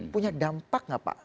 punya dampak gak pak